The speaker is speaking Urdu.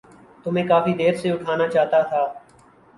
تمہیں کافی دیر سے اٹھانا چاہتا تھا۔